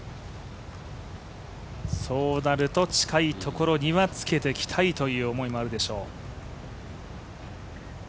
そうなると近いところにはつけていきたいという思いもあるでしょう。